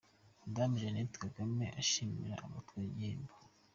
Madame Jeannette Kagame ashimira abatwaye ibihembo.